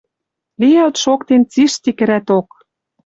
Лиӓлт шоктен цишти кӹрӓток.